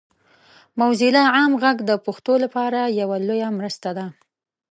موزیلا عام غږ د پښتو لپاره یوه لویه مرسته ده.